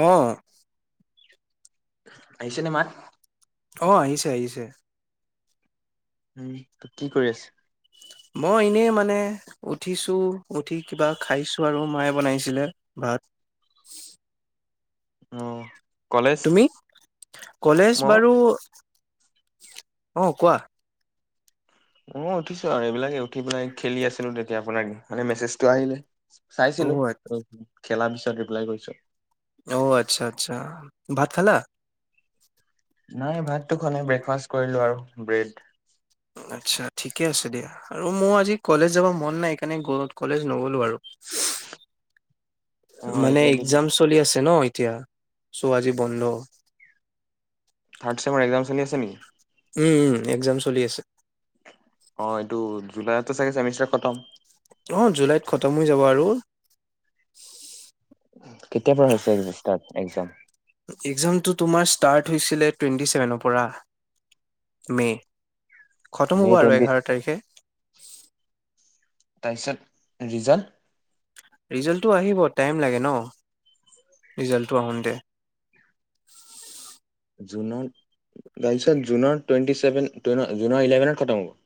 অহ আহিছে নে মাই অ আহিছে আহিছে উম কি কৰি আছে মই এনেই মানে উঠিছোঁ উঠি কিবা খাইছোঁ আৰু মায়ে বনাইছিলে ভাত অ কলেজ? তুমি কলেজ মই বাৰু আহ কোৱা অ উঠিছো আৰু এইবিলাকে উঠি পেলাই খেলি আছিলো তেতিয়া আপোনাৰানে মেছেজটো আহিলে চাইছিলো অ', খেলা পিছত ৰিপ্লাই কৰিছো। অ আচ্ছা আচ্ছা ভাত খালা নাই ভাতটো খোৱাই ব্ৰেকফাষ্ট কৰিলো আৰু ব্ৰেড। আচ্ছা ঠিকে আছে দিয়া আৰু মোৰ আজি কলেজ যাব মন নাই সেইকাৰণে কলেজ নগলো আৰু অ', মানে এইকেইদিন এক্সাম চলি আছে ন তিয়া ছ আজি বন্ধ থাৰ্ড চেমৰ এক্সাম চলি আছে নেকি? উম উম এক্সজাম চলি আছে। অ এইটো জুলাইতো চাগে চেমিষ্টাৰ খতম অ জুলাইত খতম হৈ যাব আৰু কেতিয়াৰ পৰা হৈছে ষ্টাৰ্ট একজাম এক্জামটো তোমাৰ ষ্টাৰ্ট হৈছিলে টুৱেণ্টি চছেভেনৰ পৰা মে খতম হ'ব মে' আৰু টুৱেণ্টি এঘাৰ তাৰিখে তাৰপিছত ৰিজাল্ট ৰিজাল্টটো আহিব টাইম লাগে ন ৰিজাল্টটো আহোঁতে জুনত তাৰপিছত জুনৰ টুৱেন্টি চেভেন জুনৰ ইলেভেনত খতম হব।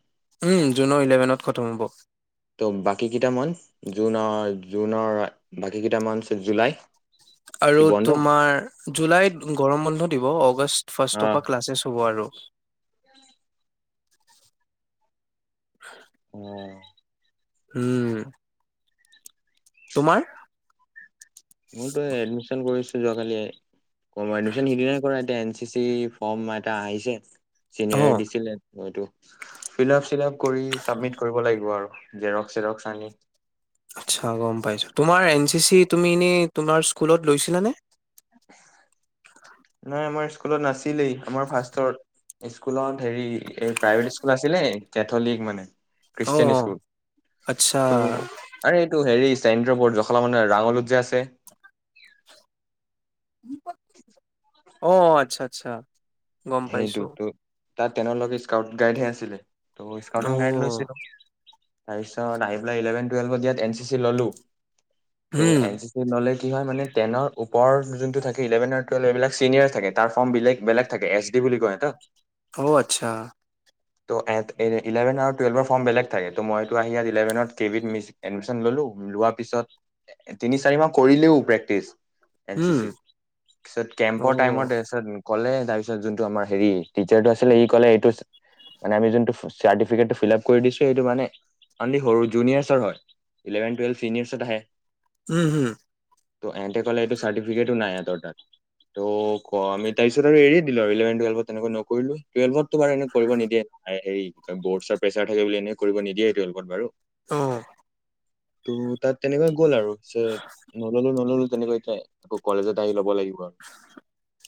উম' জুনৰ ইলেভেনত খতম হ'ব। ত' বাকী কেইটা মান'থ জুনৰ জুনৰ বাকী কেইটা মান'থ জুলাই কি আৰু বন্ধ তোমাৰ জুলাইত গৰম বন্ধত দিব অগষ্ট অ ফাৰ্ষ্ট তৰ পা ক্লাছেছ হ'ব আৰু [inaudible] [inaudible] [inaudible] উম'। তোমাৰ? মোৰতো এডমিশ্যন কৰিছো যোৱাকালি। এডমিশ্যন সিদিনা কৰা হেঁতেন চি চি ফৰ্ম এটা আহিছে অ চিনিয়ৰ দিছিলেঁ সটো ফিলআপ-চিলআপ কৰি চাবমিট কৰিব লাগিব আৰু জেৰক্স চেৰক্স আনি আচ্ছা গম পাইছো তোমাৰ এন চি চিত তুমি এনেই তোমাৰ স্কুলত লৈছিলানে? নাই আমাৰ স্কুলত নাছিলেই আমাৰ ফাৰ্ষ্টত স্কুলত হেৰি এই প্ৰাইভেট স্কুল আছিলে কেথলিক মানে অ খ্ৰীষ্টিয়ান স্কুল আচ্ছা ত' আৰে এইটো হেৰি চেন্দ্ৰ পুৰ জখলাবন্ধা ৰাঙলুত যে আছে। উম। [inaudible] অ' আচ্ছা আচ্ছা। গম পাইছো। সেইটোতো তাত তেওঁৰ লগত স্কাউট গাইডহে আছিলে। ত' অ স্কাউটন গাড লৈছিলো। তাৰপিছত ইলেভেন টুৱেলভাত এন চি চি ললো। উম এন চি চি নলেজ কি হয় মানে টেনৰ ওৰ যোনটো থাকে ইলেভেন টুৱেলভ এইবিলাক চিনিয়ৰ থাকে তাৰ ফৰ্ম বেগ বেলেগ থাকে এছ বুলি কয় ত অ' আচ্ছা। ইলেভেন আৰু টুৱেলভৰ ফৰ্ম বেলেগ থাকে টো মই টো‌ আহি ইলেভেনত কে বিত এদমিচন ললো লোৱা পিছত তিনি চাৰি মাহ কৰিলো ও প্ৰেকটিছ। উম এনচিচিত পিছত অ কেম্পৰ টাইমত‌ কলে তাৰ পিছত যোন ত আমাৰ হেৰি তিচাৰ টো আছিলে সি ক'লে যোনটো চাৰ্টিফিকেট টো ফিলাব কৰি দিছো সেইটো কাৰণে অনলি সৰু জুনিয়ছৰ হয় ইলেভেন টুৱেল চিনিযেছত আহে। উম হম। ত [unintelligible] ক'লে চাৰ্টিফিক নাই সিহঁতৰ তাত তো তাৰপিছত এৰিয়ে দিলো [inaudible] তেনেকুৱা নকৰিলো টুৱেলভত তোমাৰ এনে কৰিব নিদিয়ে এই বৰ্ডছৰ প্ৰেচাৰ থাকে বুলি এনেই কৰিব নিদিয়ে তেওঁলোকত বাৰু অহ ত' তাত তেনেকৈ গ'ল আৰু [unintelligible] নগলে নলয় তেনেকৈ এ আকৌ কলেজত আহি ল'ব লাগিব আৰু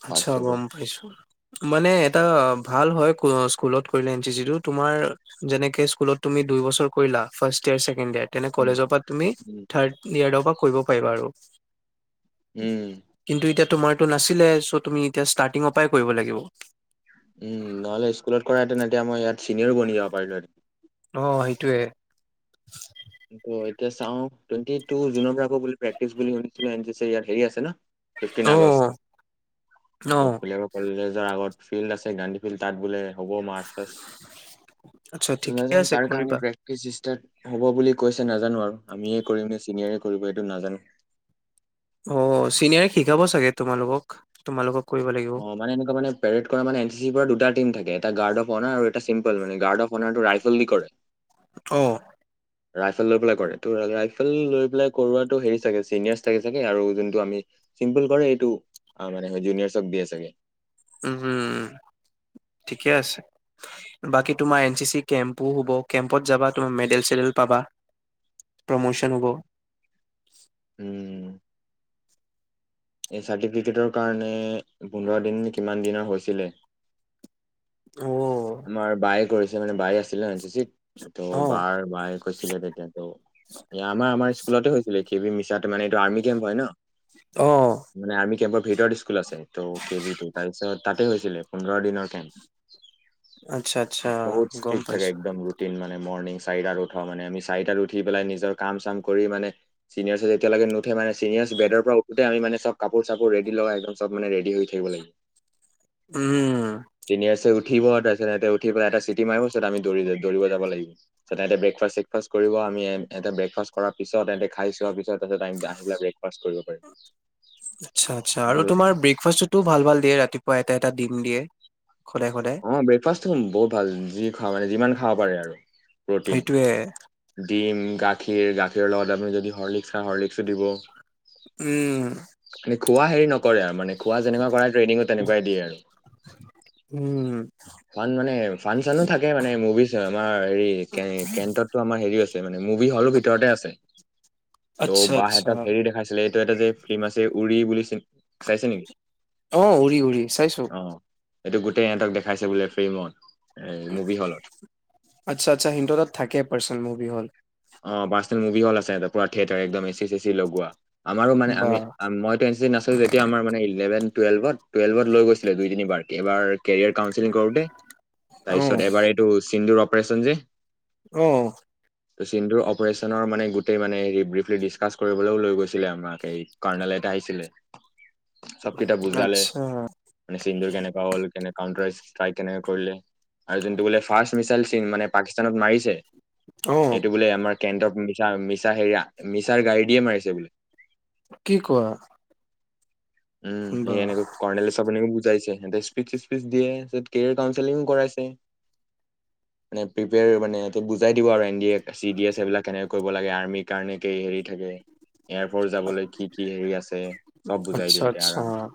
আচ্ছা ফাৰ্ষ্টৰ পৰা গম পাইছো মানে এটাভাল হয় কোনো স্কুলত কৰিলে এন চি চি টু তোমাৰ যেনেকে তুমি স্কুলত দুই বছৰ কৰিলা ফাৰ্ষ্ট ইয়েৰ চেকেন্দ ইয়েৰ নে উম কলেজৰ পৰা তুমি উম থাৰ্ড ইয়াৰৰ পৰা কৰিব পাৰিবা আৰু উম কিন্তু এতিয়া তোমাৰটো নাছিলে চ' তুমি এতিয়া ষ্টাৰ্টিঙৰ পৰাই কৰিব লাগিব উম নহলে স্কুলত কৰাইতে এতিয়া মই ইয়াত চিনিয়ৰ বনি যাব পাৰিলোহেঁতেন অ সেইটোৱে ত এতিয়া চাও টুৱেটি জুনৰ পৰা আকৌ প্ৰেক্টি বুলি শুনিছো এন চি চি বুলি আছে ন ফিফটিন অ', আগষ্ট অ', [unintelligible] নিজৰ আগত ফিল্ড আছে গান্ধী ফিল্ড তাত বোলে হ'ব মাচ পাচ আচ্ছা ঠিকে নাজানো আছে তাৰ কাৰণে কৰিবা। প্ৰেকটিছ ইষ্টাত হ'ব বুলি পিছে নাজানো আৰু আমিয়ে কৰিম নে চিনিয়াৰ কৰিব এইটো নাজানো। অ চিনিয়াৰ শিকাব চাগে তোমালোকক তোমালোকক কৰিব লাগিব অহ মানে এনেকুৱা মানে পেৰেড কৰা মানে এন চি চিৰ পৰা দুটা টিম থাকে। এটা গাৰ্ড অফ অনাৰ আৰু এটা চিম্পল মানে গাৰ্ড অফ অনাৰটো ৰাইফল দি কৰে। অহ ৰাইফেল লৈ পেলাই কৰে ত ৰাইফেল লৈ পেলাই কৰোৱটো হেৰি চাগে চিনিয়ৰ্ছ থাকে চাগে আৰু যোনটো আমি চিম্পুল কৰে এইটো মানে জুনিয়ৰ্চক দিয়ে চাগে। উম ঠিকে আছে বাকী তোমাৰ এন চি চি কেম্পো হ'ব কেম্পত যাবা তুমি মেডেল চেডেল পাবা প্ৰমোচন হ'ব। উম এই চাৰ্টিফিকেটৰ কাৰণে পোন্ধৰ দিন কিমান দিনৰ হৈছিলে। অ', আমাৰ বায়ে কৰিছে মানে বাই আছিলে ত অ', বাৰ বায়ে কৈছিলে তেতিয়া তো এ আমাৰ আমাৰ স্কুলতে হৈছিলে কে বি মিছাতে মানে এইটো আৰ্মি কেম্প হয় ন। অহ মানে আৰ্মি কেম্পৰ ভিতৰত স্কুল আছে ত' কে বি টু তাৰপিছত তাতে হৈছিলে পোন্ধৰ দিনৰ কাৰণে। আচ্ছা আচ্ছা বহুত গম ষ্ট্ৰিক থাকে পাইছোঁ। একদম ৰুটিন মা নে মৰ্ণং চাৰিটাত উঠো মানে আমি চাৰিটাত উঠি পেলাই নিজৰ কাম চাম কৰি মানে চিনিয়ৰ্ছে যেতিয়ালৈকে নুঠে মানে চিনিয়ৰ্ছ বেডৰ পৰা উঠতে আমি মানে চব কাপোৰ চাপোৰ ৰেডি লগাই চব মানে ৰেড হৈ থাকিব লাগে। উম, চিনিয়েৰছে থিব আৰু তাৰ পিছ [unintelligible] সিহঁতে উঠিব উঠিপেলাই এটা চিটি মাৰিব পিছত আমি দৌৰি লৈ দৌৰিব যাব লাগিব তাৰ পিছত সিহঁতে ব্ৰেকফাষ্ট চ্ৰেকফাষ্ট কৰিব আমি এহতে ব্ৰেকফাষ্ট কৰাৰ পিছত সিহঁতে খাই চোৱাৰ পিছত তাৰ পিছত আমি আৰ্হিলা ব্ৰেক আচ্ছা আচ্ছা আৰু তোমাৰ ব্ৰেকফাষ্টতো ভাল ভাল দিয়ে ৰাতিপুৱা এটা এটা দি দিয়ে সদায় সদায় অ ব্ৰেকফাষ্ট ত বহুত ভাল যি খোৱা মানে যিমান খাব পাৰে আৰু প্ৰটিন সেইটোয়ে ডিম গাখীৰ গাখীৰৰ লগত আমি যদি হৰ্লিক্স খাওঁ হৰ্লিক্সো দিব উম মানে খোৱা হেৰি নকৰে আৰু মানে খোৱা যেনেকুৱা কৰা ট্ৰেইনিঙো তেনেকুৱাই দিয়ে আৰু উম্ উম্ চাঞ্চ থাকে মানে মুভিছ আমাৰ হেৰি কে কেন্টিনত তো আমাৰ হেৰি আছে মানে মো সি হ'লো ভিতৰতে আছে ত' আচ্ছা আচ্ছা। বাহেতক হেৰি দেখাইছিলে টো এটা যে ফিল্ম আছে উৰি বুলি চি চাইছে নেকি অ উৰি উৰি চাইছো এটো টো সিহঁতক দেখাইছে বোলে ফ্লিমত আচ্ছা আচ্ছা সিন্ধুৰাত থাকে পাৰ্চন মুভি হল অ পাৰ্চনেল মুভি হল আছে সিহঁতৰ পুৰা থিয়েটাৰ একদম এ চি চে চি লগোৱা আমাৰো মানে আমি বাহ। মই এতিয়া এ চি আছে যেতিয়া আমাৰ মানে ইলেভেন টুৱেলভত টুৱেলভত লৈ গৈছিলে দুই তিনিবাৰ এবাৰ কেৰিয়াৰ কাউনচেলিং কৰোতে অ', তাৰপিছত এবাৰ এইটো এইটো সিন্দু ৰপ পেছেঞ্জী অহ ত' চিনধুৰ অপাৰচনৰ মানে গোটেই মানে ব্ৰিফলি ডিচকাচ কৰিবলৈও লৈ গৈছিলে আমাক এই কৰ্ণেল এটা আহিছিলে চবকেইটা বুজালে আচ্ছা সিন্দুৰ কেনেকুৱা হ'ল কেনে কাউণ্টাৰ ষ্টাইক কেনেকে কৰিলে আৰু যোনটো বোলে ফাৰ্ষ্ট মিচাইল চিন মানে পাকিস্তানত মাৰিছে অ', এইটো বোলে আমাৰ কেনটক মিছা মিছা হেৰি মিছাৰ গাড়ী দিয়ে মাৰিছে বোলে কি কোৱা উম সেই বাহ। এনেকৈ কৰ্ণাললেল চব এনেক যাইছে দে স্পিতি কেৰিয়াৰ কাউন্সেলিং কৰাইছে নে প্ৰিপেয়াৰ মানে বুজাই দিব আৰু এন চি ডি এ এইবিলাক কে কৰিব লাগে আৰ্মিৰ কাৰনে কি হেৰি থাকে এয়াৰপৰ্ট যাবলৈ কি কি হেৰি আছে। চব বুজাই আচ্ছা দিয়া ইয়াতে আচ্ছা আৰাম চে।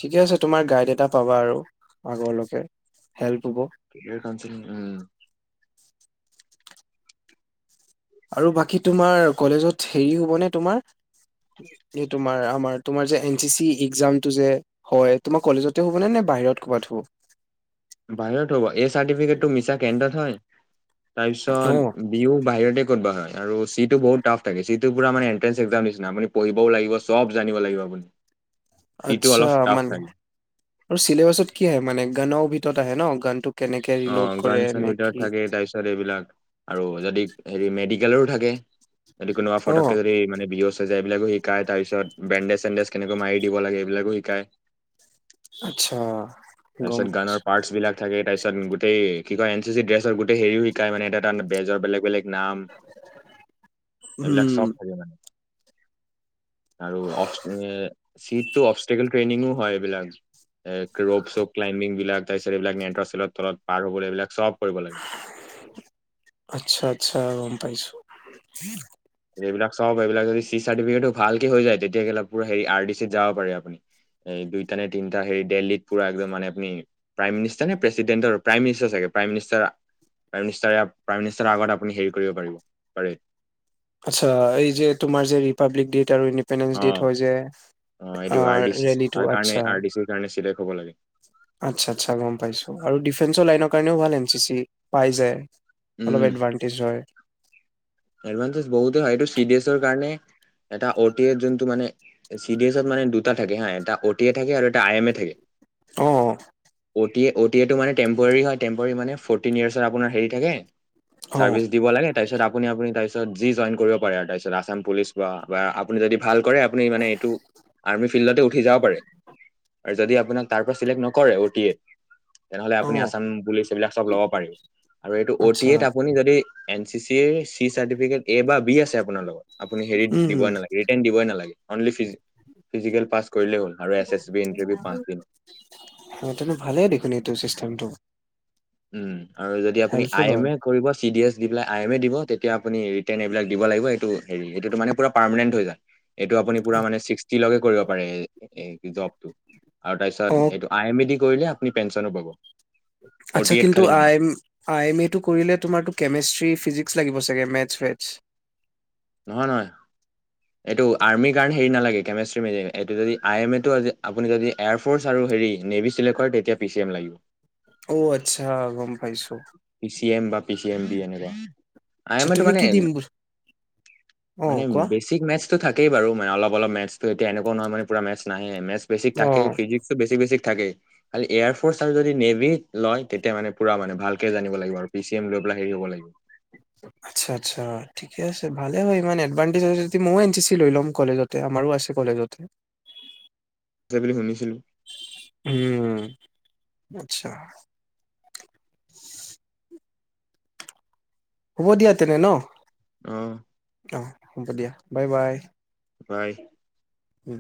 ঠিকে আছে তোমাৰ গাইড এটা পাবা আৰু আগৰ লৈকে হেল্প হব। কেৰিয়াৰ কাউন্সেলিং উম। আৰু বাকী তোমাৰ কলেজত হেৰি হ'বনে, তোমাৰ কি আমাৰ তোমাৰ যে এন চি চি একজাম যে হয়, তোমাৰ কলেজতে হ'বনে নে বাহিৰত কৰবাত হ'ব। বাহিৰত হ'ব, এই চাৰ্টিফিকেট তো মিছা কেন্দ্ৰত হয়। তাৰ অ', পিছত বিহু বাহিৰতে কোডবা হয়। আৰু, চিটো বহুত টাফ থাকে। চিটো পুৰা মানে এণ্ট্ৰেন্স একজাম নিচনা আপুনি পঢ়িবও লাগিব। সব জানিব লাগিব আপুনি। চিটো আচ্ছা অলপ টাফ মানে থাকে আৰু চিলেবাছত কি আহে মানে গান অ তত আহে ন গানটো। কেনেকে অ ৰিলোড কৰে ঘন চান নে ভিতৰত কি? থাকে তাৰ পিছত এইবিলাক আৰু যদি হেৰি, মেডিকেলৰো থাকে। যদি কোনোৱা অ', ফটকে যদি মানে বেহুচ এইবিলাকো শিকায় তাৰ পিছত বেণ্ডেজ চেণ্ডেজ কেনেকৈ মাৰি দিব লাগে এইবিলাকো শিকায়। আচ্ছা গম পাইছোঁ। তাত গোটেই কি কয়, এন চি চি ড্ৰেছত গোটেই হেৰি শিকাই মানে, এটা তাত বেজ বেলেগ বেলেগ নাম এইবিলাক উম, চব থাকে মানে। আৰু অফ চিটটো অপষ্টিকেল ট্ৰেইনিংও। হয় এইবিলাক। এ ৰপ চপ ক্লাইম্বিং বিলাক। [unintelligible] তলত পাৰ হ'বলৈ এইবিলাক চব। কৰিব লাগে আচ্ছা আচ্ছা। পাইছো। এইবিলাক চব এইবিলাক যদি চি চাৰটিবিকেতোঁ চাৰ্টিফিকেট ভালকে হৈ যায়। তেতিয়ালে হেৰি আৰ, দি চিত যাব পাৰে। আপুনি দুইটা নে তিনিটা হেৰি দিল্লীত পুৰা মানে আপনি প্ৰাইমিনিষ্টাৰ নে প্ৰেচিডেণ্টৰ, প্ৰাইমিনিষ্টাৰ চাগে প্ৰাইমিনিষ্টাৰ, আগত হেৰি কৰিব পাৰিব পাৰে। আচ্ছা এই যে তোমাৰ যে ৰিপাব্লিক ডে আৰু ইণ্ডিপেণ্ডেন্ঞ্চ অ ডেট হয় যে অ এইটো আৰ দি চি ৰেলীটো কাৰনে আচ্ছা। আৰ দি চিৰ কাৰনে। চিদাই কব লাগে। আচ্ছা আচ্ছা গম পাইছো, আৰু ডিফেন্সৰ লাইনৰ কাৰণেও ভাল এন চি চি পাই যায়। অলপ এডভানটেজ হয়। এডভাণ্টেজ বহুতেৰ হয়, এইতোঁ চি ডি এছৰ কাৰণে, এটা ওটিএ জোনটো মানে চি ডি এছত মানে দুটা থাকে। ওটিএ থাকে এটা আই এম এ থাকে। অ। O T A, O T A টো মানে টেম্পৰাৰি হয় টে ম্পৰাৰি মানে ফৰ্টিন ইয়াৰ্চ আপোনাৰ হেৰি থাকে। অ', চাৰ্ভিচ দিব লাগে তাৰপিছত আপুনি আপুনি তাৰ পিছত যি জয়েন কৰিব পাৰে তাৰপিছত আছাম পুলিচ বা বা আপুনি যদি ভাল কৰে আপুনি মানে এইটো আৰ্মি ফিল্ডতে উঠি যাব পাৰে আৰু যদি আপোনাক তাৰ পৰা চিলেক্ট নকৰে অ টি এ তেনেহলে আপুনি অ', আচাম পুলিচ এইবিলাক চব ল'ব পাৰিব আৰু এইটো অ টি আচ্ছা এট আপুনি যদি এই চি চাৰ্টিফিকেট এ বা বি আছে আপোনাৰ লগত আপুনি হেৰিত উম, দিবই নালাগে ৰিটেৰ্ণ দিবই নালাগে অনলি ফিজিকেল পাছ কৰিলেই হ'ল আৰু এছ এছ বি ইণ্টাৰভিউ পাঁচ দিন হওঁতে টো ভালেই দেখোন এইটো চিষ্টেম থেংক ইউ উম আৰু যদি আপুনি আই এম এ কৰিব চি ডি এছ পেলাই আই এম এ দিব তেতিয়া আপুনি ৰিটেণ এইবিলাক দিব লাগিব এইটো হেৰি এইটো মানে পোৰা পাৰমেণেটত হৈ যায় এইটো আপুনি পোৰা মানে ছিক্টি লগে কৰিব পাৰে এই জব টো আৰু তাৰপিছত অ', এইটো আই এমে দি কৰিলে আপুনি পেঞ্চনো পাব অ' আচ্ছা টি এত কিন্তু খালি নাপায় আইম আই এম এটো কৰিলে তোমাৰো কেমেষ্ট্ৰি ফিজিক্স লাগিব চাগে মেথছ ফেথছ নহয় নহয় এইটো আৰ্মী কাৰণে হেৰী নেলাগে কেমেচটি এইটো যদি আই এমে টো আপুনি যদি এয়াৰ ফৰ্চ আৰু হেৰী নেভি চিলেকট হয় তেতিয়া পি চি এম লাগিব অ আচ্ছা গম পাইছো, পি চি এম বাপ পিছি এম বি এনেকুৱা আই আচ্ছা এম টো তুমি মানে কি দিম বুলি মানে অ', কোৱা বেচিক মেতচ থাকেই বাৰু অলপ অলপ মেতছটো এতিয়া এনেকুৱা নহয় মানে পোৰা মেতথছ নাহে মেতথচ বেছিক থাকেই অ'। ফিজিক্স বেছি বেছি থাকে খালি এয়াৰ ফৰ্চ আৰু যদি নেভি লয় তেতিয়া মানে পুৰা মানে ভাল ভালকে জানিব লাগিব আৰু পি চি এম লৈ পেলাই হেৰি হ'ব লাগিব আচ্ছা আচ্ছা ঠিকে আছে ভালে হয় ইমান এডভানটেজ হয় যদি মই এন চি চি লৈ ল'ম কলেজতে আমাৰো আছে কলেজতে আছে বুলি শুনিছিলো উম আচ্ছা হ'ব দিয়া তেনে ন আহ অ হ'ব দিয়া বাই বাই বাই উম